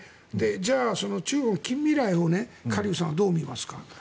じゃあ、中国の近未来をカ・リュウさんはどう見ますか？